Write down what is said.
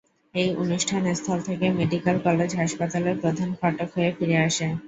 এটি অনুষ্ঠানস্থল থেকে medical college হাসপাতালের প্রধান ফটক হয়ে ফিরে আসে।